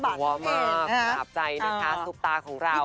หัวมากหักใจนะฮะสูบตาของเรา